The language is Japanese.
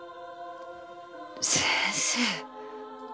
先生。